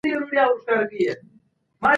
د ميرمني کار شرطونه لري.